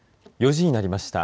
４時になりました。